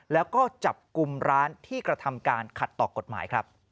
แล้วก็จับกลุ่มร้านที่กระทำการขัดต่อกฎหมายครับ